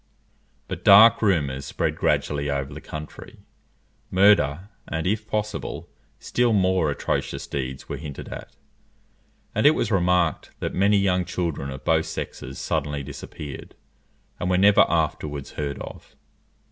But dark rumours spread gradually over the country; murder, and, if possible, still more atrocious deeds were hinted at; and it was remarked that many young children of both sexes suddenly disappeared, and were never afterwards heard of.